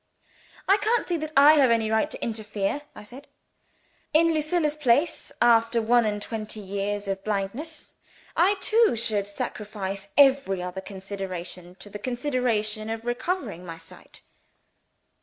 "I can't see that I have any right to interfere," I said. "In Lucilla's place after one and twenty years of blindness I too should sacrifice every other consideration to the consideration of recovering my sight."